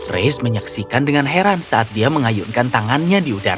race menyaksikan dengan heran saat dia mengayunkan tangannya di udara